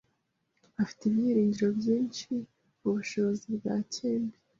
Bafite ibyiringiro byinshi mubushobozi bwa kemba.